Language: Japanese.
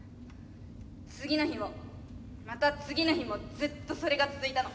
次の日もまた次の日もずっとそれが続いたの。